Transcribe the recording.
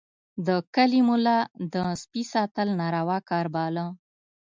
د کلي ملا د سپي ساتل ناروا کار باله.